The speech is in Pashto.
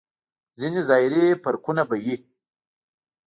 ځينې ظاهري فرقونه به وي.